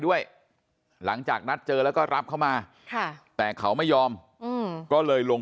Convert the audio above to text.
ด้วยหลังจากนัดเจอแล้วก็รับเข้ามาแต่เขาไม่ยอมก็เลยลง